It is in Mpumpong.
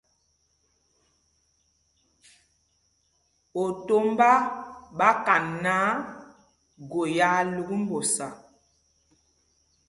Otombá ɓa kan náǎ, gō yaa lúk mbosa.